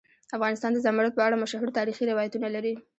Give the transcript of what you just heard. افغانستان د زمرد په اړه مشهور تاریخی روایتونه لري.